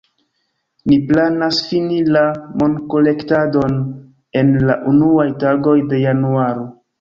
Ni planas fini la monkolektadon en la unuaj tagoj de januaro.